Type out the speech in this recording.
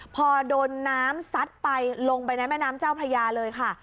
พอโดนน้ำซัดไปลงไปในแม่น้ำเจ้าพระยาเลยค่ะ